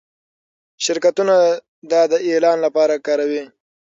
شرکتونه دا د اعلان لپاره کاروي.